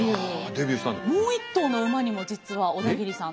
もう一頭の馬にも実は小田切さん